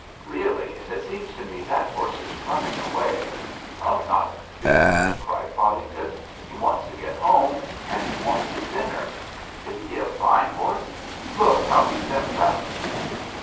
Really, it seems to me that horse is running away." "Not a bit of it," cried Podington. "He wants to get home, and he wants his dinner. Isn't he a fine horse? Look how he steps out!"